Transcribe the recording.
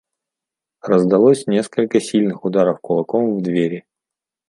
Раздалось несколько сильных ударов кулаком в двери.